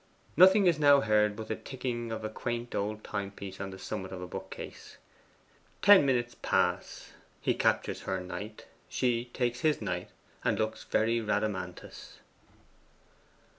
Nothing is now heard but the ticking of a quaint old timepiece on the summit of a bookcase. Ten minutes pass; he captures her knight; she takes his knight, and looks a very Rhadamanthus.